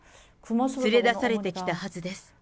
連れ出されてきたはずです。